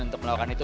untuk melakukan itu